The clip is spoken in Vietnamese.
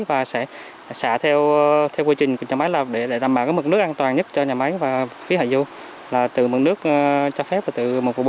và sẽ xả theo quy trình của nhà máy để đảm bảo mực nước an toàn nhất cho nhà máy và phía hạ du là từ mực nước cho phép và từ một trăm một mươi bốn